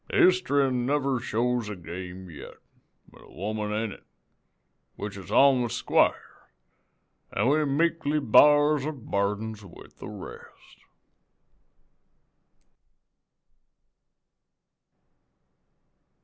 Hist'ry never shows a game yet, an' a woman in it, which is on the squar', an' we meekly b'ars our burdens with the rest.'"